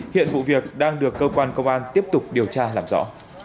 hiện vụ việc đang được cơ quan công an tiếp tục điều tra làm rõ